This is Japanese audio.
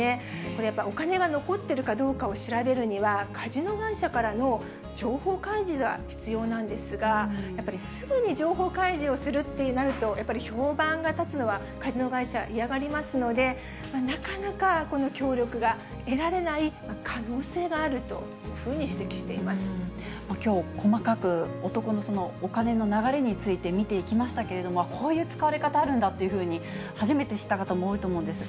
これ、やっぱりお金が残ってるかどうかを調べるには、カジノ会社からの情報開示が必要なんですが、やっぱりすぐに情報開示をするってなると、やっぱり評判が立つのは、カジノ会社、嫌がりますので、なかなか協力が得られない可能性があるというふうに指摘していまきょう、細かく男のそのお金の流れについて見ていきましたけれども、こういうつかわれ方あるんだというふうに、初めて知った方も多いと思うんです。